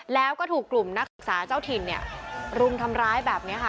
แล้วก็ถูกกลุ่มนักศึกษาเจ้าถิ่นเนี่ยรุมทำร้ายแบบนี้ค่ะ